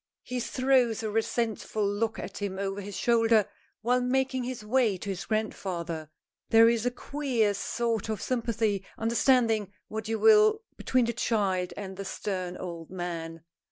He throws a resentful look at him over his shoulder while making his way to his grandfather. There is a queer sort of sympathy understanding what you will between the child and the stern old man.